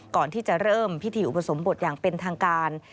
ก่อนที่จะเริ่มพิธีอุปสมบทอย่างเป็นทางการ